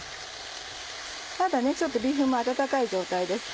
まだねちょっとビーフンも温かい状態です。